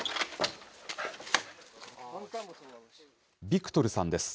ビクトルさんです。